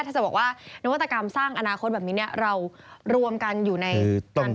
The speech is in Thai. ถ้าจะบอกว่านวัตกรรมสร้างอนาคตแบบนี้เนี่ยเรารวมกันอยู่ในตัน